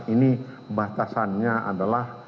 ini batasannya adalah